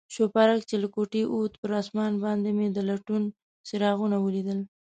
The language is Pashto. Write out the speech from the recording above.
شوپرک چې له کوټې ووت، پر آسمان باندې مې د لټون څراغونه ولیدل.